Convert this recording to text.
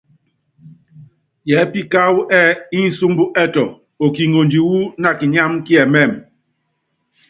Yɛɛpí kááwu ɛ́ɛ́ ínsúmbɔ ɛtú, okiŋondi wú nakinyámú kiɛmɛ́ɛmɛ.